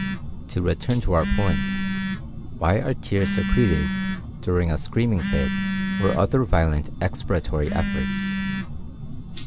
To return to our point: why are tears secreted during a screaming fit or other violent expiratory efforts?